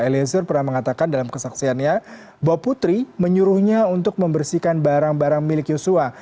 eliezer pernah mengatakan dalam kesaksiannya bahwa putri menyuruhnya untuk membersihkan barang barang milik yosua